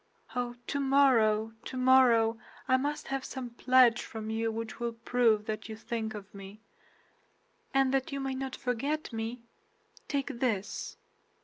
Oh, tomorrow, tomorrow, I must have some pledge from you which will prove that you think of me; and that you may not forget me, take this!"